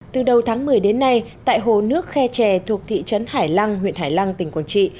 từ đầu tháng một mươi đến nay tại hồ nước khe trè thuộc thị trấn hải lăng huyện hải lăng tỉnh quảng trị